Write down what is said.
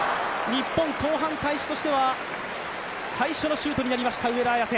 日本、後半開始としては最初のシュートになりました